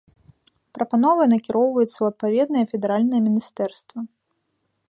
Прапановы накіроўваюцца ў адпаведнае федэральнае міністэрства.